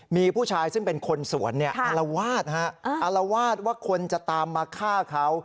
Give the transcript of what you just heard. มีผู้ชายซึ่งเป็นคนสวนเนี่ยอารวาสอารวาสว่าคนจะตามมาฆ่าเขา